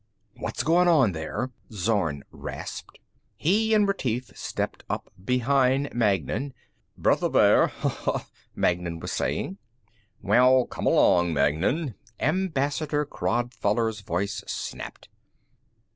"What's going on there?" Zorn rasped. He and Retief stepped up behind Magnan. " breath of air, ha ha," Magnan was saying. "Well, come along, Magnan!" Ambassador Crodfoller's voice snapped.